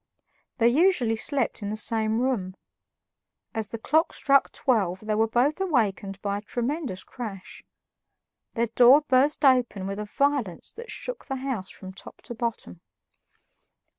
They usually slept in the same room. As the clock struck twelve they were both awakened by a tremendous crash. Their door burst open with a violence that shook the house from top to bottom.